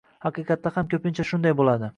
Haqiqatda ham ko‘pincha shunday bo‘ladi.